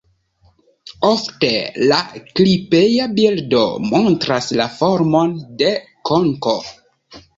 Ofte la klipea bildo montras la formon de konko.